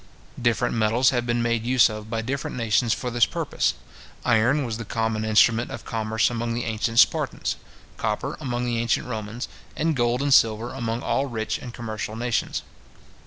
Different metals have been made use of by different nations for this purpose. Iron was the common instrument of commerce among the ancient Spartans, copper among the ancient Romans, and gold and silver among all rich and commercial nations.